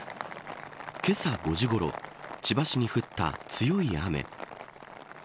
けさ５時ごろ千葉市に降った強い雨。